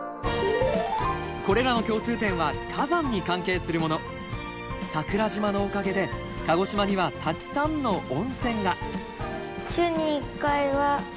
これらの共通点は桜島のおかげで鹿児島にはたくさんの温泉が。